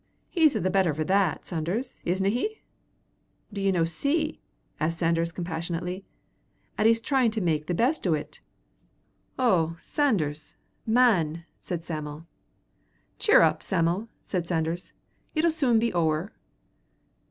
"He's a' the better for that, Sanders, isna he?" "Do ye no see," asked Sanders, compassionately, "'at he's tryin' to mak the best o't?" "Oh, Sanders, man!" said Sam'l. "Cheer up, Sam'l," said Sanders; "it'll sune be ower."